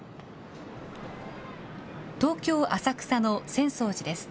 東京・浅草の浅草寺です。